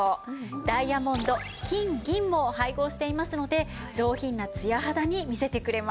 ダイヤモンド金銀も配合していますので上品なツヤ肌に見せてくれます。